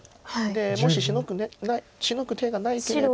もしシノぐ手がなければ。